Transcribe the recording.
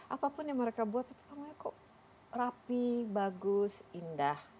apapun yang mereka buat itu semuanya kok rapi bagus indah